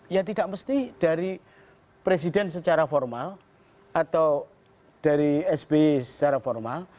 ya tidak mesti dari presiden secara formal atau dari sbi secara formal